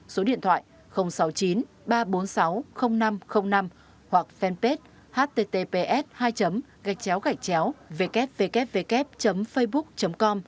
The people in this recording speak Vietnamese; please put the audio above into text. số điện thoại sáu mươi chín ba trăm bốn mươi sáu năm trăm linh năm hoặc fanpage http www facebook com